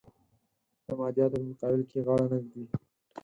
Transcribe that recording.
د مادیاتو په مقابل کې غاړه نه ږدي.